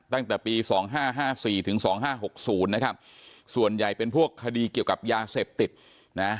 ตั้งแต่ปี๒๕๕๔ถึง๒๕๖๐นะครับส่วนใหญ่เป็นพวกคดีเกี่ยวกับยาเสพติดนะ